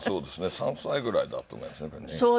３歳ぐらいだと思いますねこれね。